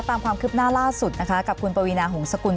ตามความคืบหน้าล่าสุดนะคะกับคุณปวีนาหงษกุล